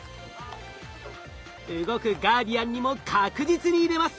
動くガーディアンにも確実に入れます。